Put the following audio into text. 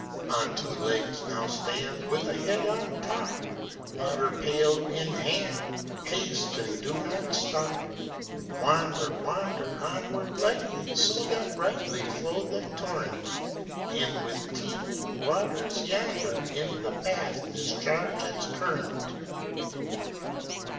On two legs now stand, With a head on top; Waterpail in hand, Haste, and do not stop! Wander, wander Onward lightly, So that rightly Flow the torrent, And with teeming waters yonder In the bath discharge its current!